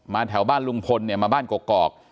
แถวบ้านลุงพลเนี่ยมาบ้านกอก